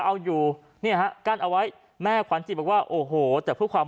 เอาอยู่เนี่ยฮะกั้นเอาไว้แม่ขวัญจิตบอกว่าโอ้โหแต่เพื่อความ